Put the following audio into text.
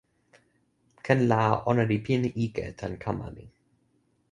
ken la, ona li pilin ike tan kama mi.